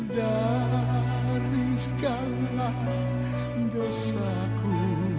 dari segala dosaku